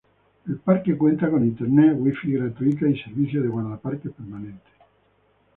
El parque cuenta con internet Wi-Fi gratuita y servicio de guardaparques permanente.